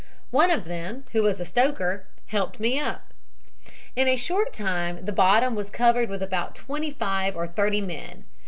One of them, who was a stoker, helped me up. In a short time the bottom was covered with about twenty five or thirty men.